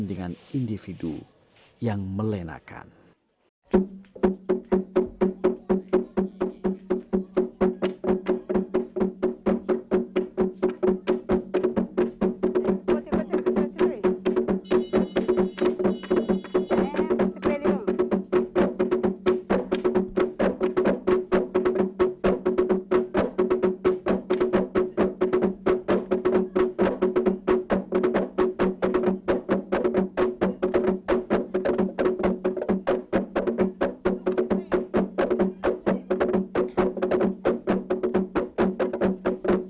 dan juga mengajarkan sikap